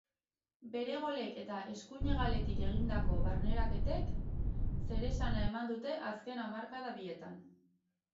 Bere golek eta eskuin hegaletik egindako barneraketek zeresana eman dute azken hamarkada bietan.